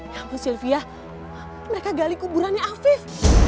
ya ampun sylvia mereka gali kuburannya afif